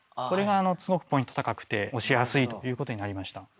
これがすごくポイント高くて押しやすいという事になりました。